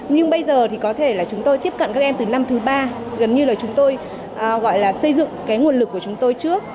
nhưng bây giờ thì có thể là chúng tôi tiếp cận các em từ năm thứ ba gần như là chúng tôi gọi là xây dựng cái nguồn lực của chúng tôi trước